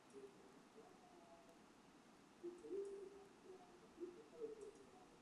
Diemžēl oficiālā statistika to šodien neuzrāda, lai gan dzīves patiesība ir tieši tāda.